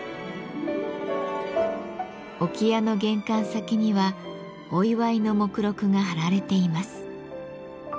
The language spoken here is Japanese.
置屋の玄関先にはお祝いの目録が貼られています。